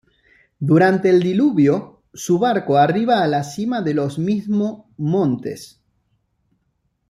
Durante el diluvio, su barco arriba a la cima de los mismo montes.